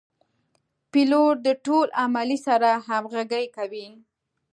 پیلوټ د ټول عملې سره همغږي کوي.